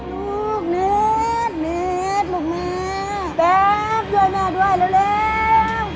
ลูกเนธเนธลูกแม่แป๊บช่วยแม่ด้วยแล้วเนธ